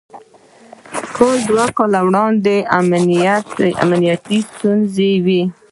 کال دوه کاله وړاندې امنيتي ستونزې وې.